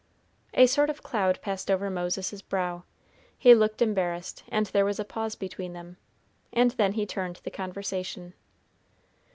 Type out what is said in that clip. A sort of cloud passed over Moses's brow. He looked embarrassed, and there was a pause between them, and then he turned the conversation.